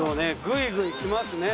ぐいぐいきますね。